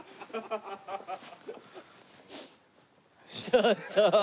ちょっと。